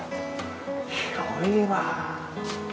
広いな。